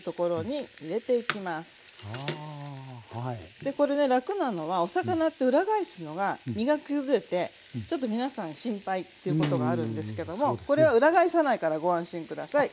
そしてこれね楽なのはお魚って裏返すのが身がくずれてちょっと皆さん心配っていうことがあるんですけどもこれは裏返さないからご安心下さい。